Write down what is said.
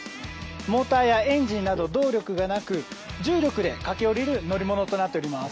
モーターやエンジンなど動力がなく、重力で駆け下りる乗り物となっています。